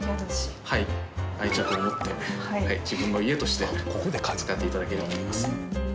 愛着を持って自分の家として使って頂ければと思います。